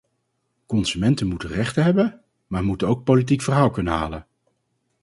Consumenten moeten rechten hebben, maar moeten ook politiek verhaal kunnen halen.